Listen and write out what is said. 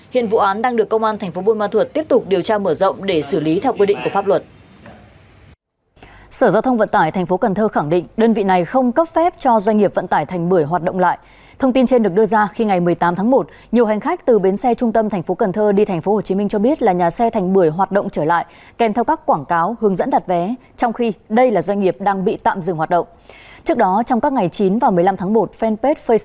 hiện vụ án đang được công an tp bôn ma thuật tiếp tục điều tra mở rộng để xử lý theo quy định của pháp